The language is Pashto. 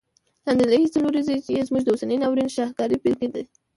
لاندي څلوریځي یې زموږ د اوسني ناورین شاهکاري بیلګي دي.